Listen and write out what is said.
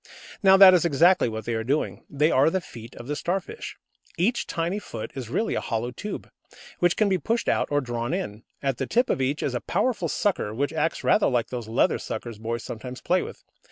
Now that is exactly what they are doing. They are the feet of the Starfish. Each tiny foot is really a hollow tube, which can be pushed out or drawn in. At the tip of each is a powerful sucker, which acts rather like those leather suckers boys sometimes play with.